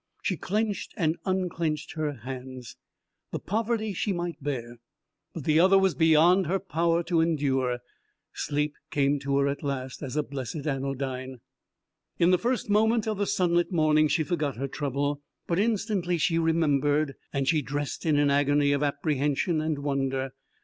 She clenched and unclenched her hands. The poverty she might bear, but the other was beyond her power to endure. Sleep came to her at last as a blessed anodyne. In the first moment of the sunlit morning she forgot her trouble, but instantly she remembered, and she dressed in an agony of apprehension and wonder.